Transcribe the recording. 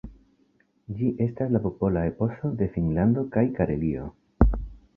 Ĝi estas la popola eposo de Finnlando kaj Karelio.